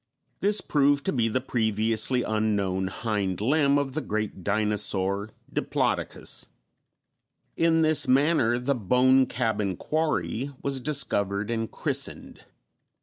This proved to be the previously unknown hind limb of the great dinosaur Diplodocus. In this manner the "Bone Cabin Quarry" was discovered and christened.